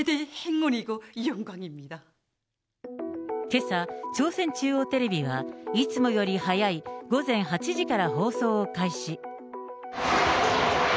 けさ、朝鮮中央テレビが、いつもより早い午前８時から放送を開始。